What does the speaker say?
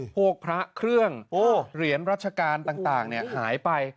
พวกพระเครื่องเหรียญราชการต่างหายไป